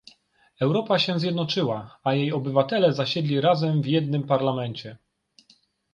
Europa się zjednoczyła, a jej obywatele zasiedli razem w jednym parlamencie